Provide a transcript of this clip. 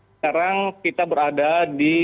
sekarang kita berada di